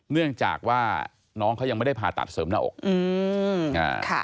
เนื่องจากว่าน้องเขายังไม่ได้ผ่าตัดเสริมหน้าอกอืมอ่า